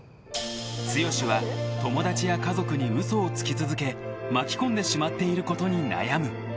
［剛は友達や家族に嘘をつき続け巻き込んでしまっていることに悩む］